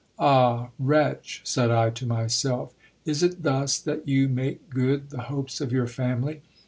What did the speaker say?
Ah ! wretch, said I to myself, is it thus that you make good the hopes of your family